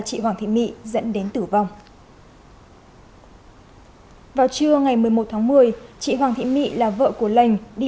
chị hoàng thị mỹ dẫn đến tử vong vào trưa ngày một mươi một tháng một mươi chị hoàng thị mỹ là vợ của lãnh đi